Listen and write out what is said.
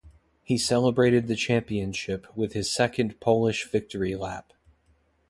He celebrated the championship with his second Polish victory lap.